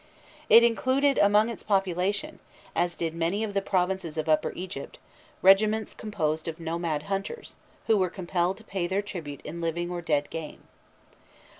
It included among its population, as did many of the provinces of Upper Egypt, regiments composed of nomad hunters, who were compelled to pay their tribute in living or dead game.